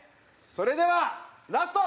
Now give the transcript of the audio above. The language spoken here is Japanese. それではラスト。